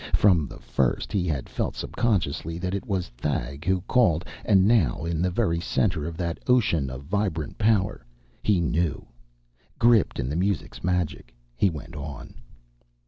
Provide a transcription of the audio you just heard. From the first he had felt subconsciously that it was Thag who called, and now, in the very center of that ocean of vibrant power, he knew. Gripped in the music's magic, he went on.